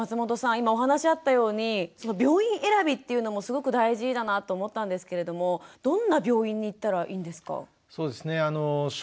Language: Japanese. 今お話あったように病院選びっていうのもすごく大事だなと思ったんですけれどもどんな病院に行ったらいいんですか？